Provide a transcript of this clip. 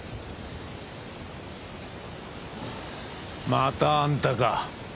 またあんたか。